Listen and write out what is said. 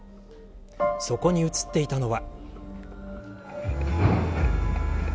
そこに映っていたのは。